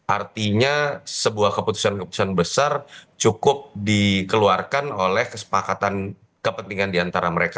artinya sebuah keputusan keputusan besar cukup dikeluarkan oleh kesepakatan kepentingan diantara mereka